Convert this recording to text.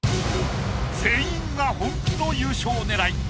全員が本気の優勝狙い。